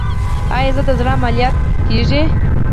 آیا د زړه عملیات کیږي؟